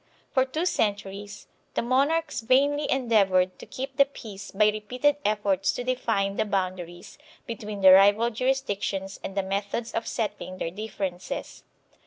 For two centuries the monarchs vainly endeavored to keep the peace by repeated efforts to define the boundaries between the rival juris dictions and the methods of settling their differences.